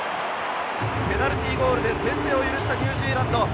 ペナルティーゴールで先制を許したニュージーランド。